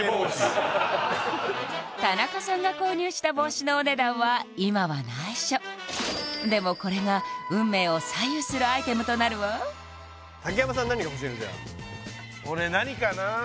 田中さんが購入した帽子のお値段は今は内緒でもこれが運命を左右するアイテムとなるわ俺何かなあ言ってたんだよ